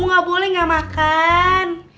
gak boleh gak makan